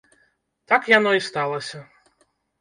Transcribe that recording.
Так яно і сталася.